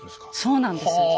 そうなんです。